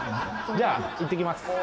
じゃあいってきます。